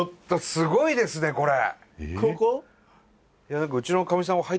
すごいですねこれ！